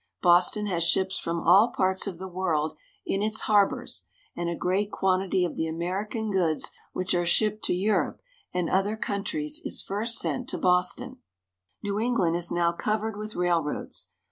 Boston has ships from all parts of the world in its harbors, and a great quantity of the American goods which are shipped to Eu rope and other countries is first sent to Boston. View of Boston Harbor. New England is now covered with railroads.